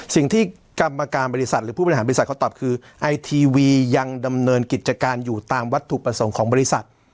สิ่งที่กรรมการบริษัทหรือผู้บริหารบริษัทเขาตอบคือไอทีวียังดำเนินกิจการอยู่ตามวัตถุประสงค์ของบริษัท